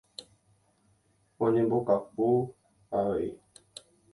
Oñembokapu avei.